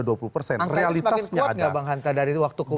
angka itu semakin kuat nggak bang hanta dari waktu ke umum